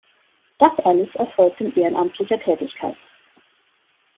Das alles erfolgt in ehrenamtlicher Tätigkeit.